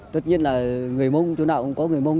tất nhiên là người mong chỗ nào cũng có người mong